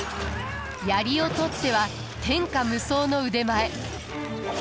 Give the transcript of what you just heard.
槍をとっては天下無双の腕前。